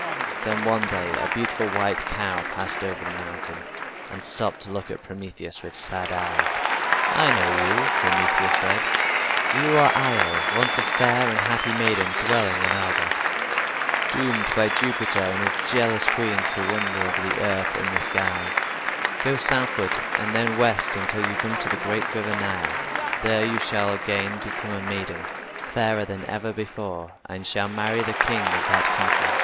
Then one day a beautiful white cow passed over the mountain, and stopped to look at Prometheus with sad eyes. "I know you," Prometheus said. "You are Io, once a fair and happy maiden dwelling in Argos, doomed by Jupiter and his jealous queen to wander over the earth in this guise. Go southward and then west until you come to the great river Nile. There you shall again become a maiden, fairer than ever before, and shall marry the king of that country.